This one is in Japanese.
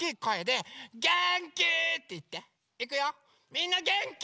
みんなげんき？